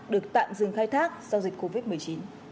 được tạm dừng khai thác sau dịch covid một mươi chín